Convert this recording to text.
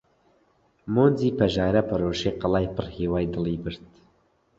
مۆنجی پەژارە پەرۆشی قەڵای پڕ هیوای دڵی برد!